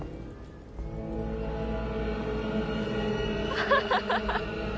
アハハハハ！